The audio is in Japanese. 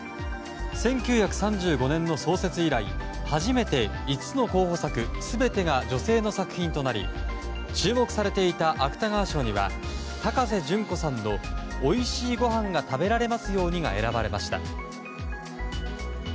１９３５年の創設以来、初めて５つの候補作全てが女性の作品となり注目されていた芥川賞には高瀬隼子さんの「おいしいごはんが食べられますように」が選ばれました。